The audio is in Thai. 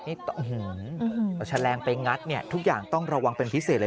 นี่เอาแฉลงไปงัดเนี่ยทุกอย่างต้องระวังเป็นพิเศษเลย